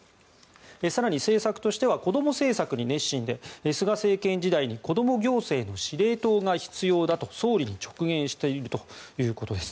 更に、政策としてはこども政策に熱心で菅政権時代に子ども行政の司令塔が必要だと総理に直言しているということです。